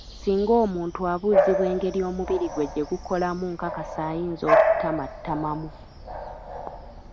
Singa omuntu abuuzibwa engeri omubiri gwe gyegukolamu nkakasa ayinza okutamattamamu.